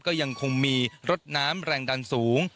ก็ยังคงมีรถน้ำแรงดันสูง